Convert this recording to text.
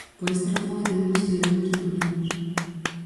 Por esta razón, entendemos que debemos de opoñernos.